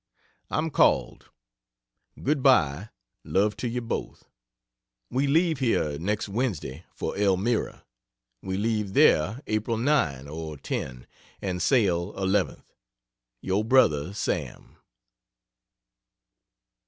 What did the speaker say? I'm called Good bye love to you both. We leave here next Wednesday for Elmira: we leave there Apl. 9 or 10 and sail 11th Yr Bro. SAM.